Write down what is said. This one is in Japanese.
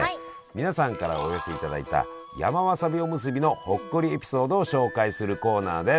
皆さんからお寄せいただいた山わさびおむすびのほっこりエピソードを紹介するコーナーです。